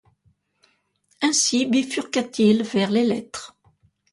Ainsi bifurqua-t-il vers les lettres.